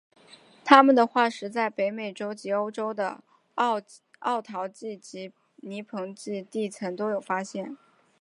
它们的化石在北美洲及欧洲的奥陶纪及泥盆纪地层都有发现。